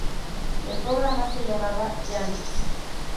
El programa se llamaba "Yandex".